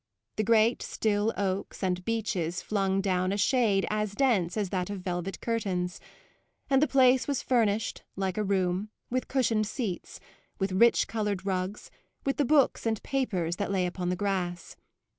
The great still oaks and beeches flung down a shade as dense as that of velvet curtains; and the place was furnished, like a room, with cushioned seats, with rich coloured rugs, with the books and papers that lay upon the grass.